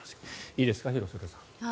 いいですか、廣津留さん。